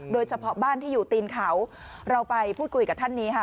โดยเฉพาะบ้านที่อยู่ตีนเขาเราไปพูดคุยกับท่านนี้ค่ะ